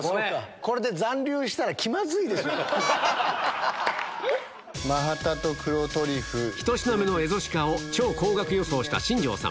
これで残留したら気まずいで１品目のエゾシカを超高額予想した新庄さん。